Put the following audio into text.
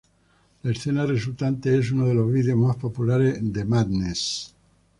La escena resultante es uno de los vídeos más populares de Madness.